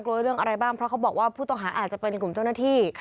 เรื่องอะไรบ้างเพราะเขาบอกว่าผู้ต้องหาอาจจะเป็นกลุ่มเจ้าหน้าที่